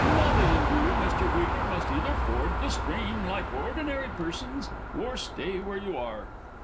_) Molly and you, Mr. Wheedler, must either ford the stream like ordinary persons, or stay where you are.